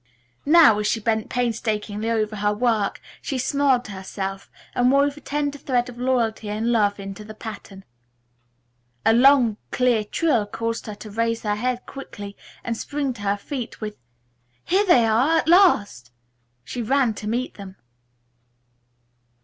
Now as she bent painstakingly over her work, she smiled to herself and wove a tender thread of loyalty and love into the pattern. A long clear trill caused her to raise her head quickly and spring to her feet with, "Here they are, at last!" She ran to meet them.